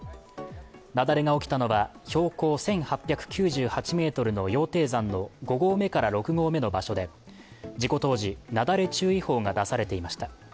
雪崩が起きたのは標高１８９８ｍの羊蹄山の５合目から６合目の場所で事故当時雪崩注意報が出されていました。